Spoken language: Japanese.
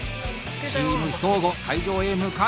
チーム兵庫会場へ向かう！